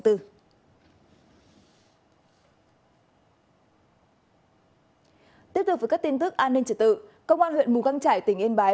tiếp tục với các tin tức an ninh trở tự công an huyện mù căng trải tỉnh yên bái